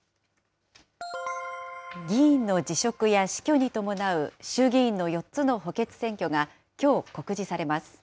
議員の辞職や死去に伴う衆議院の４つの補欠選挙が、きょう告示されます。